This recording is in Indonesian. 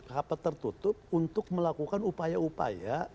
rapat tertutup untuk melakukan upaya upaya